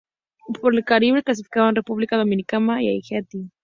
Por el Caribe, clasificaron República Dominicana y Haití.